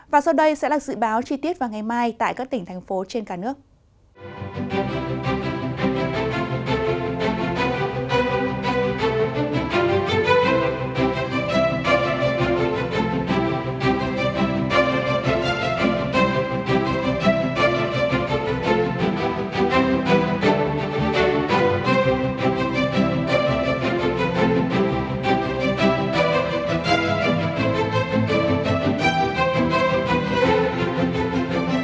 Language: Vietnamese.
và sau đây sẽ là dự báo chi tiết vào ngày mai tại các tỉnh thành phố trên cả nước